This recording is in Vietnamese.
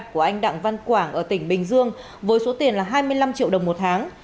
của anh đặng văn quảng ở tỉnh bình dương với số tiền là hai mươi năm triệu đồng một tháng